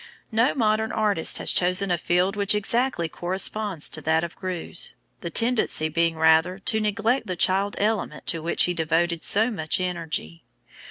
No modern artist has chosen a field which exactly corresponds to that of Greuze, the tendency being rather to neglect the child element to which he devoted so much energy.